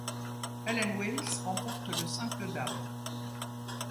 Helen Wills remporte le simple dames.